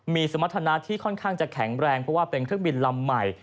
มีสมรรถนะที่ค่อนข้างจะแข็งแรงเพราะว่าเป็นเครื่องบินลำใหม่